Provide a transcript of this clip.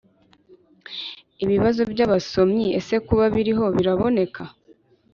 Ibibazo by abasomyi ese kuba biriho biraboneka?